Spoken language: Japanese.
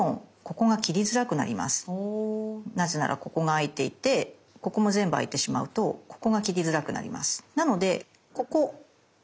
なぜならここがあいていてここも全部あいてしまうとここが切りづらくなります。